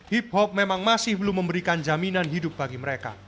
hip hop memang masih belum memberikan jaminan hidup bagi mereka